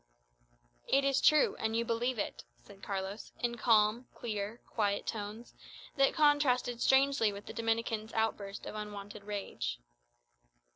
"It is true; and you believe it," said Carlos, in calm, clear, quiet tones, that contrasted strangely with the Dominican's outburst of unwonted rage.